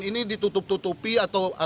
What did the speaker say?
ini ditutup tutupi atau